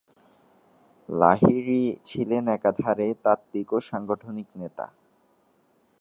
লাহিড়ী ছিলেন একাধারে তাত্ত্বিক ও সাংগঠনিক নেতা।